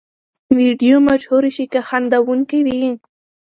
ویډیو مشهورې شي که خندوونکې وي.